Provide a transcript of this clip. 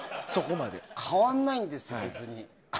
変わらないんですよ、別に。